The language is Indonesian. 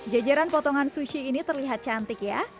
jajaran potongan sushi ini terlihat cantik ya